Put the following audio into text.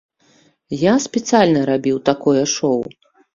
Я спецыяльна рабіў такое шоу.